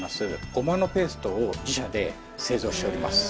ごまのペーストを自社で製造しております